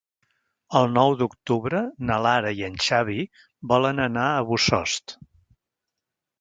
El nou d'octubre na Lara i en Xavi volen anar a Bossòst.